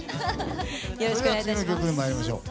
それでは次の曲に参りましょう。